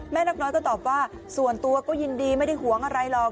นกน้อยก็ตอบว่าส่วนตัวก็ยินดีไม่ได้หวงอะไรหรอก